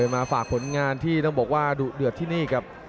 มาฝากผลงานที่ต้องบอกว่าดุเดือดที่นี่ครับ